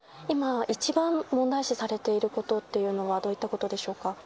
今、一番問題視されていることっていうのはどういったことでしょうか。